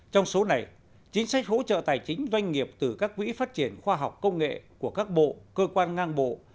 trong số này chính sách hỗ trợ tài chính doanh nghiệp từ các quỹ phát triển khoa học công nghệ của các bộ cơ quan ngang bộ